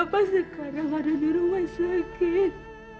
bapak sekarang ada di rumah sakit